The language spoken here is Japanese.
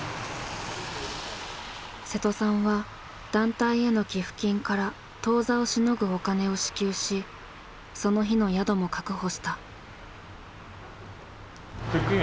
瀬戸さんは団体への寄付金から当座をしのぐお金を支給しその日の宿も確保した。